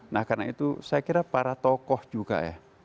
nah karena itu saya kira para tokoh juga ya